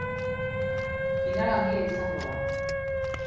Final handia izango da.